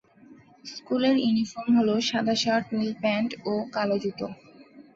স্কুলের ইউনিফর্ম হল সাদা শার্ট, নীল প্যান্ট ও কালো জুতো।